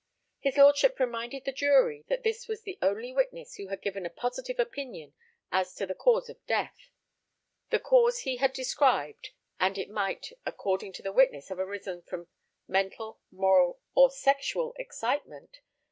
His lordship reminded the jury that this was the only witness who had given a positive opinion as to the cause of death; the cause he had described, and it might, according to the witness, have arisen from mental, moral, or sexual excitement.